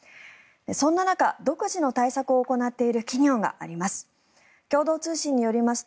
そんな中、独自の対策を行っている企業があります。